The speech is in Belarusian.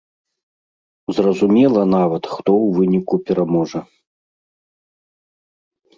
Зразумела нават, хто ў выніку пераможа.